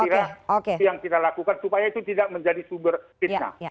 itu yang kita lakukan supaya itu tidak menjadi sumber fitnah